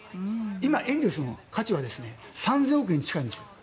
今、エンゼルスの価値は３０００億円に近いんです。